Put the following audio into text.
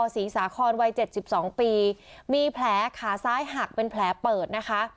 ศรีสาคอนวัย๗๒ปีมีแผลขาซ้ายหักเป็นแผลเปิดนะคะ